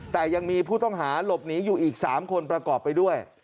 แต่ยังมีผู้ต้องหาหลบหนีอยู่อีก๓คนประกอบไปด้วย